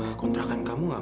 harus jalan kan lobster